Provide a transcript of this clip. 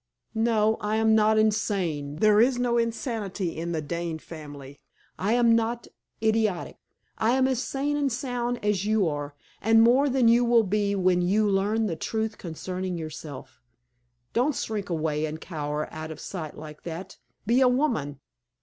"No, I am not insane; there is no insanity in the Dane family. I am not idiotic; I am as sane and sound as you are, and more than you will be when you learn the truth concerning yourself. Don't shrink away and cower out of sight like that. Be a woman.